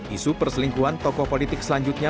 isu perselingkuhan tokoh politik selanjutnya